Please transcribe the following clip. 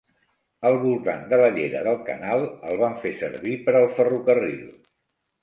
Al voltant de la llera del canal el van fer servir per al ferrocarril.